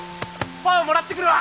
パワーもらってくるわ。